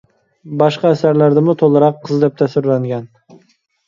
باشقا ئەسەرلەردىمۇ تولىراق قىز دەپ تەسۋىرلەنگەن.